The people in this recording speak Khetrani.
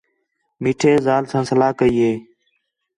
میٹھے ذال ساں صلاح کَئی ہِے